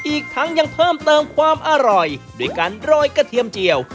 อีกทั้งยังเพิ่มเติมความอร่อยด้วยการโรยกระเทียมเจียว